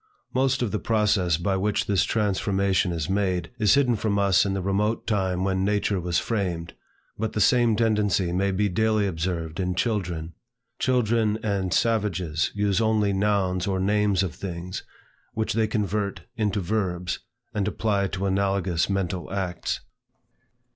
Most of the process by which this transformation is made, is hidden from us in the remote time when language was framed; but the same tendency may be daily observed in children. Children and savages use only nouns or names of things, which they convert into verbs, and apply to analogous mental acts.